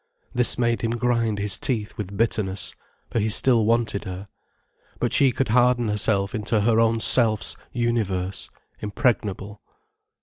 This made him grind his teeth with bitterness, for he still wanted her. But she could harden herself into her own self's universe, impregnable.